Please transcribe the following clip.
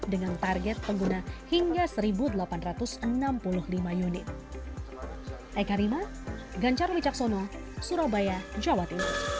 dengan target pengguna hingga satu delapan ratus enam puluh lima unit